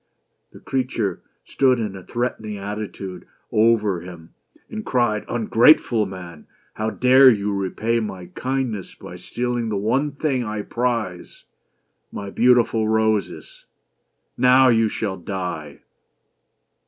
The creature stood in a threatening attitude over him and cried: "Ungrateful man! — how dare you repay my kindness by stealing the only thing I prize, my beautiful roses ?— Now you shall die